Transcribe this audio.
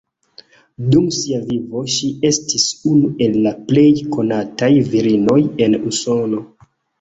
Dum sia vivo ŝi estis unu el la plej konataj virinoj en Usono.